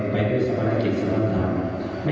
ไม่เกียรติพอสมกันไปได้พอไปกลับมาดาวนึงดาวนึง